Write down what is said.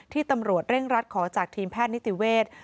ตำรวจเร่งรัดขอจากทีมแพทย์นิติเวทย์